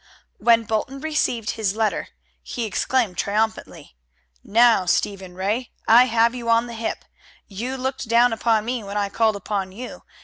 When Bolton received this letter, he exclaimed triumphantly: "Now, Stephen Ray, I have you on the hip. You looked down upon me when I called upon you.